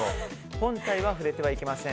本体に触れてはいけません。